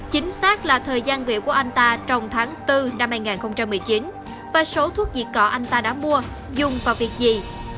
chính xác là thời gian biểu của anh ta trong tháng bốn năm hai nghìn một mươi chín và số thuốc diệt cỏ anh ta đã mua dùng vào việc gì